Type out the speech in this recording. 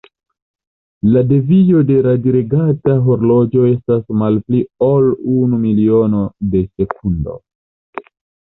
La devio de radiregata horloĝo estas malpli ol unu milono de sekundo.